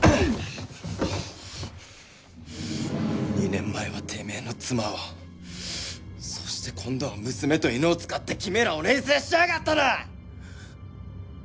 ２年前はてめえの妻をそして今度は娘と犬を使ってキメラを錬成しやがったな！